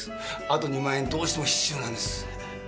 あと２万円どうしても必要なんです。